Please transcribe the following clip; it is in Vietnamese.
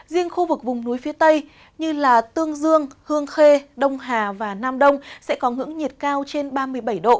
riêng khu vực vùng núi phía tây như tương dương hương khê đông hà và nam đông sẽ có ngưỡng nhiệt cao trên ba mươi bảy độ